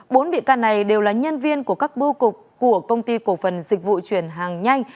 bốn bị can này đều là nhân viên của các bưu cục của công ty cổ phần dịch vụ chuyển hàng nhanh